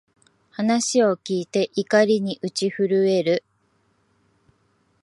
話を聞いて、怒りに打ち震える